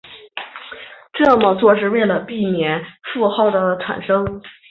这么做是为了避免负号的产生。